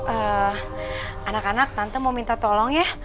eh anak anak tante mau minta tolong ya